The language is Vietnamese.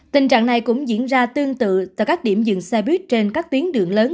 tình trạng này cũng diễn ra tương tự tại các điểm dừng xe buýt trên các tuyến đường lớn